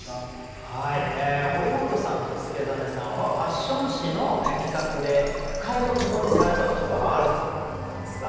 堀本さんと祐真さんはファッション誌の企画で句会を共にされたことがあるということなんですが。